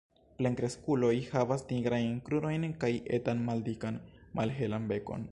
Plenkreskuloj havas nigrajn krurojn kaj etan maldikan malhelan bekon.